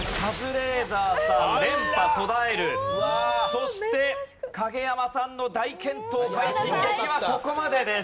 そして影山さんの大健闘快進撃はここまでです。